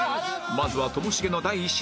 まずはともしげの第１子